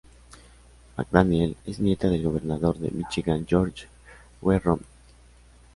McDaniel es nieta del Gobernador de Míchigan George W. Romney.